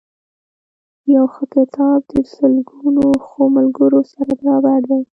یو ښه کتاب د سلګونو ښو ملګرو سره برابر دی.